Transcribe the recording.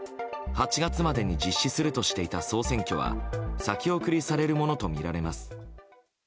８月までに実施するとしていた総選挙は先送りされるものとみられます。